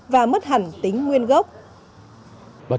và mất hẳn tính nguyên gốc